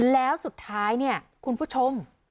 แล้วสุดท้ายเนี่ยคุณผู้ชม